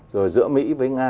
rồi giữa mỹ với nga